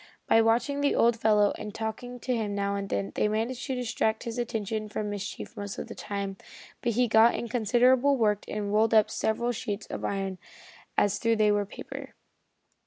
By watching the old fellow and talking to him now and then they managed to distract his attention from mischief most of the time, but he got in considerable work and rolled up several sheets of iron as though they were paper.